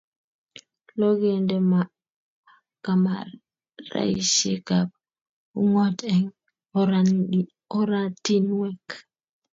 Lo, kende kameraisyekab ung'ot eng oratinweek.